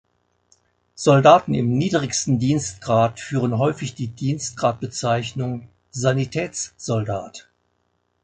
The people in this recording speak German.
Soldaten im niedrigsten Dienstgrad führen häufig die Dienstgradbezeichnung Sanitätssoldat.